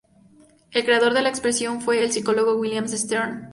El creador de la expresión fue el psicólogo William Stern.